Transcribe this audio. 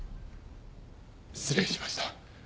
失礼しました。